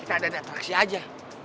kita ada di atraksi aja